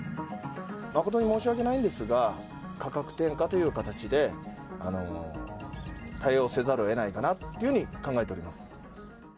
誠に申し訳ないんですが、価格転嫁という形で、対応せざるをえないかなっていうふうに考えております。